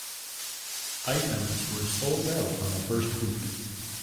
Items were sold out on the first week.